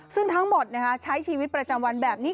ซึ่งทั้งหมดใช้ชีวิตประจำวันแบบนี้